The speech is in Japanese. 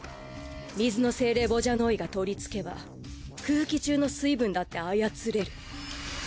水の精霊ヴォジャノーイが取り憑けば空気中の水分だって操れる。